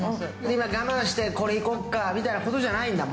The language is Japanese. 今、我慢して、これいこっかみたいなことじゃないんだ。